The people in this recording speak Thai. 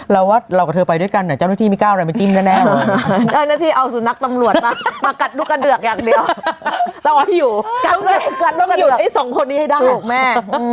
ต้องเอาพี่อยู่ต้องยุนไอ้สองคนนี้ให้ได้ถูกแม่